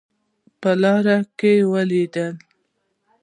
په لاره کې ولیدل.